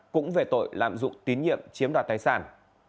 cũng về tội lạm dụng tín nhiệm chiếm đoạt tài sản